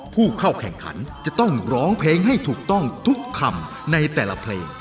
ผู้เข้าแข่งขันจะต้องร้องเพลงให้ถูกต้องทุกคำในแต่ละเพลง